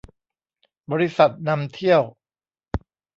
บริษัทนำเที่ยว